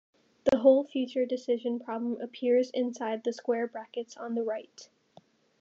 The whole future decision problem appears inside the square brackets on the right.